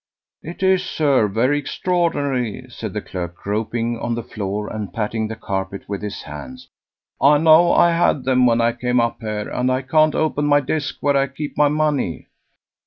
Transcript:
"It is, sir, very extraordinary," said the clerk, groping on the floor and patting the carpet with his hands. "I know I had them when I came up here, and I can't open my desk where I keep my money."